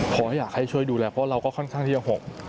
ขอให้อยากให้ช่วยดูแลเพราะเราก็ค่อนข้างที่จะหก